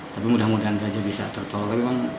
tapi mudah mudahan saja bisa tertolong